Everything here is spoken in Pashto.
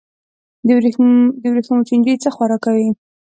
د وریښمو چینجی څه خوراک کوي؟